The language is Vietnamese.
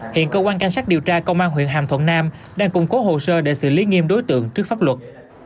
hiện cơ quan cảnh sát điều tra công an huyện hàm thuận nam đang củng cố hồ sơ để xử lý nghiêm đối tượng trước pháp luật